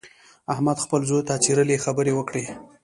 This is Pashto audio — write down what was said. احمد خپل زوی ته څیرلې خبرې وکړې.